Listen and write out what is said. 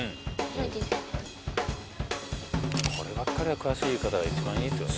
はいこればっかりは詳しい方が一番いいっすよね